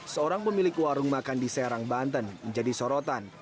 seorang pemilik warung makan di serang banten menjadi sorotan